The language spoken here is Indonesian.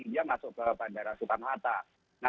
india masuk ke bandara sultan hatta nah